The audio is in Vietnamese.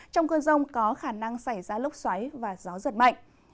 trong cơn rông có khả năng xảy ra lốc xoáy và gió giật mạnh